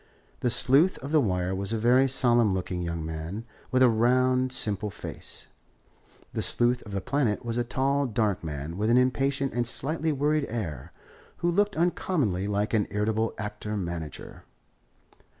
The sleuth of the Wire was a very solemn looking young man, with a round, simple face. The sleuth of the Planet was a tall, dark man, with an impatient and slightly worried air, who looked uncommonly like an irritable actor manager.